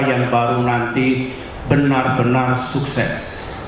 yang baru nanti benar benar sukses